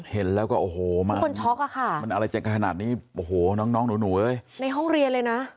เห็นแล้วก็โอ้โฮมันมันน้องหนูเลยในห้องเรียนเลยนะ